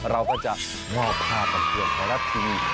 เราก็จะมอบภาพกับเพื่อนของรักที่นี่